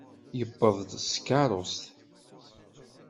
Yuweḍ-d s tkeṛṛust.